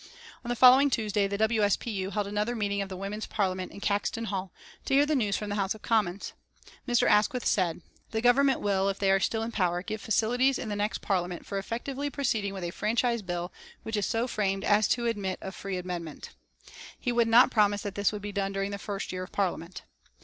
On the following Tuesday the W. S. P. U. held another meeting of the Women's Parliament in Caxton Hall to hear the news from the House of Commons. Mr. Asquith said: "The Government will, if they are still in power, give facilities in the next Parliament for effectively proceeding with a franchise bill which is so framed as to admit of free amendment." He would not promise that this would be done during the first year of Parliament.